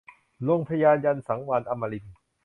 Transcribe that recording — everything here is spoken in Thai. ลงเพดานยันต์สังวาลอัมรินทร์